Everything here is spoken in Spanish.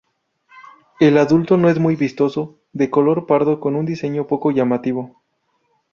El adulto no es muy vistoso, de color pardo con un diseño poco llamativo.